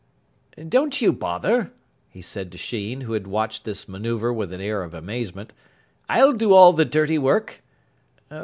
"Don't you bother," he said to Sheen, who had watched this manoeuvre with an air of amazement, "I'll do all the dirty work."